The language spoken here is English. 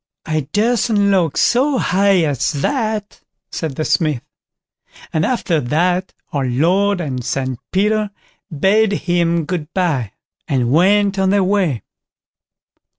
"I durstn't look so high as that", said the Smith; and after that our Lord and St Peter bade him "good bye", and went on their way.